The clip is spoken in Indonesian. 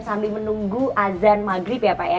sambil menunggu azan maghrib ya pak ya